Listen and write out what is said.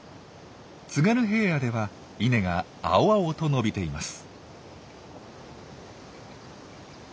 津軽平野ではイネが青々と伸びています。